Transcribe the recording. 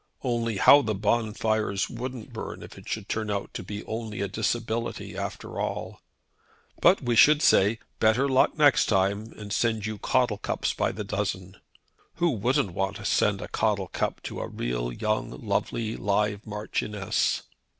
Only how the bonfires wouldn't burn if it should turn out to be only a disability after all. But we should say, better luck next time, and send you caudle cups by the dozen. Who wouldn't send a caudle cup to a real young lovely live Marchioness?